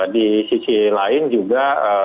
di sisi lain juga